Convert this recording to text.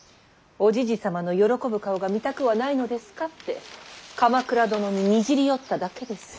おじじ様の喜ぶ顔が見たくはないのですかって鎌倉殿ににじり寄っただけです。